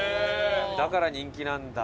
だから人気なんだ。